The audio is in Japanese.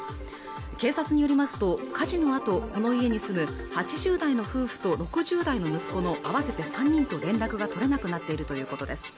警察によりますと火事のあとこの家に住む８０代の夫婦と６０代の息子の合わせて３人と連絡が取れなくなっているということです